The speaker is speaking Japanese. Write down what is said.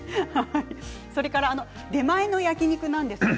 それから出前の焼き肉です。